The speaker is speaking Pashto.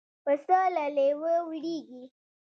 پسه له لېوه وېرېږي.